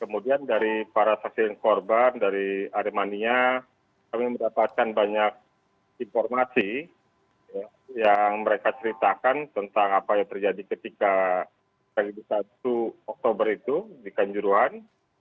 kemudian dari para saksi korban dari aremania kami mendapatkan banyak informasi yang mereka ceritakan tentang apa yang terjadi ketika satu oktober itu di kanjuruan